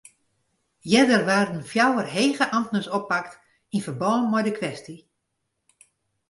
Earder waarden fjouwer hege amtners oppakt yn ferbân mei de kwestje.